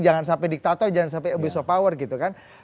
jangan sampai diktator jangan sampai abuse of power gitu kan